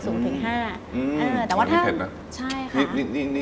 อื้ออันนี้เผ็ดนะ